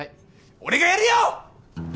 俺がやるよ！